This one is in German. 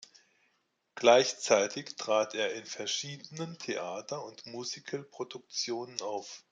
Gleichzeitig trat er in verschiedenen Theater- und Musicalproduktionen auf.